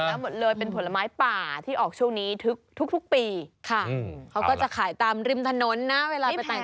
หมดแล้วหมดเลยเป็นผลไม้ป่าที่ออกช่วงนี้ทุกปีค่ะเขาก็จะขายตามริมถนนนะเวลาไปต่างจังหวะ